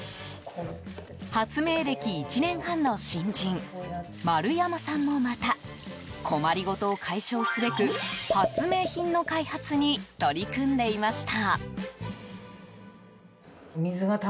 発明歴１年半の新人丸山さんもまた困りごとを解消すべく発明品の開発に取り組んでいました。